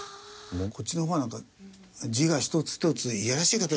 こっちの方はなんか字が一つ一つ嫌らしい形してる。